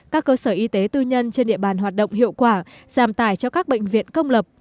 các cơ sở y tế tư nhân trên địa bàn hoạt động hiệu quả giảm tài cho các bệnh viện công lập